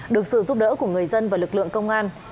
được sự giúp đỡ của người dân và lực lượng công an